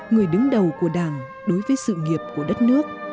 người đứng đầu của đảng đối với sự nghiệp của đất nước